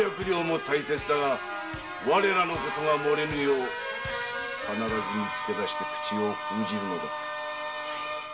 我らの事がもれぬよう必ず見つけ出して口を封じるのだ。